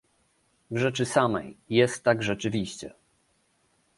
W rzeczy samej jest tak rzeczywiście